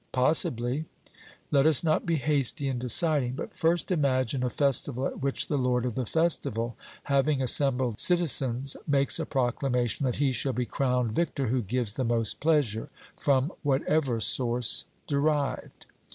'Possibly.' Let us not be hasty in deciding, but first imagine a festival at which the lord of the festival, having assembled the citizens, makes a proclamation that he shall be crowned victor who gives the most pleasure, from whatever source derived.